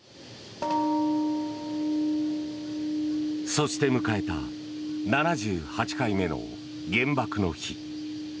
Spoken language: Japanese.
そして迎えた７８回目の原爆の日。